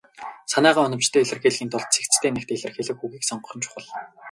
Санаагаа оновчтой илэрхийлэхийн тулд цэгцтэй, нягт илэрхийлэх үгийг сонгох нь чухал.